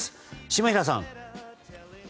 下平さん。